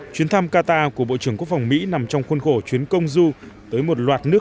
chuyến thăm qatar của bộ trưởng quốc phòng mỹ nằm trong khuôn khổ chuyến công du tới một loạt nước